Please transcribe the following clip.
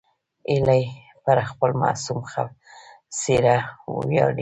هیلۍ پر خپل معصوم څېره ویاړي